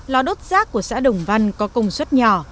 lò đốt rác của xã đồng văn có công suất nhỏ